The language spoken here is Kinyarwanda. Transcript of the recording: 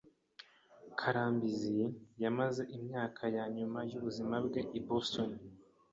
Karambizi yamaze imyaka yanyuma yubuzima bwe i Boston.